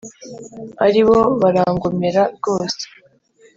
ariko bo barangomera rwose